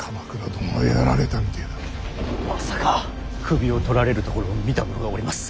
首を取られるところを見た者がおります。